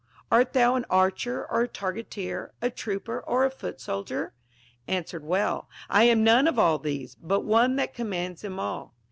Art thou an archer or a targeteer, a trooper or a foot soldier ?— answered well, I am none of all these, but one that commands them all.